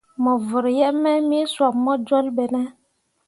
Mo vǝrri yeb mai me sob bo jolbo be ne ?